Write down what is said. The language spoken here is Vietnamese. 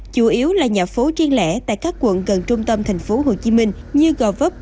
chủ yếu là nhà phố triên lẻ tại các quận gần trung tâm thành phố hồ chí minh như gò vấp